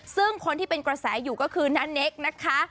ซึ่งคนที่เป็นกระแสอยู่ก็คือณเนคนะคะ